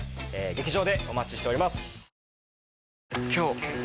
劇場でお待ちしております